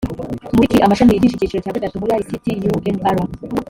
muri khi amashami yigisha icyiciro cya gatatu muri ict unr